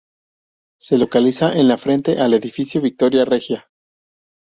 Se localiza en la frente al edificio Victoria Regia.